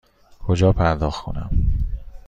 کجا پرداخت کنم؟